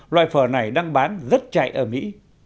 loại phở này đang bán rất chạy ở mỹ